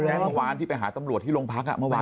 เมื่อวานที่ไปหาตำรวจที่โรงพักเมื่อวาน